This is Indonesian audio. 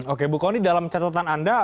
oke bu kony dalam catatan anda